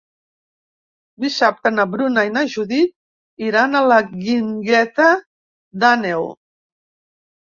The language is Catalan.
Dissabte na Bruna i na Judit iran a la Guingueta d'Àneu.